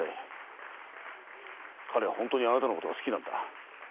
彼は本当にあなたのことが好きなんだ。